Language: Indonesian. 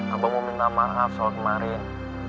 abang mau minta maaf soal kemarin